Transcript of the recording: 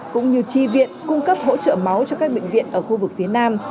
cũng như tri viện cung cấp hỗ trợ máu cho các bệnh viện ở khu vực phía nam